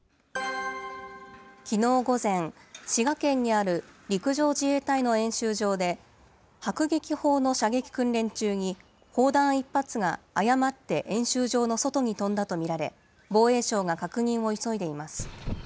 きのう午前、滋賀県にある陸上自衛隊の演習場で、迫撃砲の射撃訓練中に、砲弾１発が誤って演習場の外に飛んだと見られ、防衛省が確認を急いでいます。